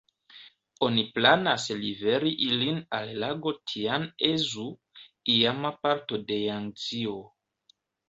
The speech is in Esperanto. Oni planas liveri ilin al lago Tian-e-Zhou, iama parto de Jangzio.